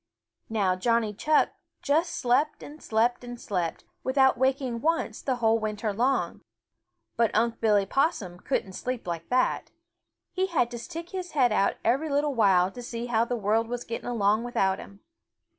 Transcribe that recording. Now Johnny Chuck just slept and slept and slept, without waking once the whole winter long. But Unc' Billy Possum couldn't sleep like that. He had to stick his head out every little while to see how the world was getting along without him.